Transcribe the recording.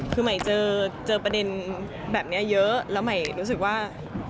คือใหม่เจอประเด็นแบบนี้เยอะแล้วใหม่รู้สึกว่า